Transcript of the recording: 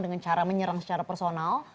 dengan cara menyerang secara personal